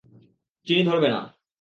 চিনি ধরবে না।